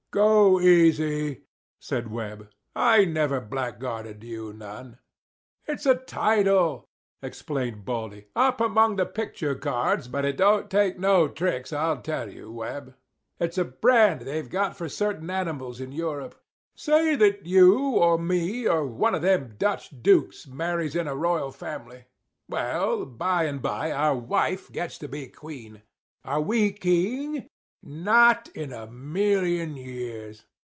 "Go easy," said Webb. "I never blackguarded you none." "It's a title," explained Baldy, "up among the picture cards; but it don't take no tricks. I'll tell you, Webb. It's a brand they're got for certain animals in Europe. Say that you or me or one of them Dutch dukes marries in a royal family. Well, by and by our wife gets to be queen. Are we king? Not in a million years.